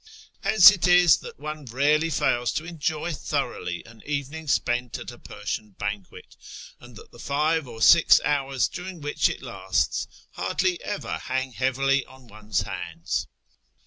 Hence it is that one rarely fails to enjoy thoroughly an evening spent at a Persian banquet, and that the five or six hours during wliich it lasts hardly ever hang heavily on one's hands.